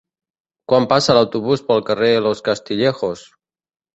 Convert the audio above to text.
Quan passa l'autobús pel carrer Los Castillejos?